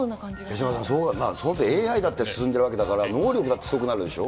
手嶋さん、ＡＩだって進んでるわけだから、能力だってすごくなるんでしょ。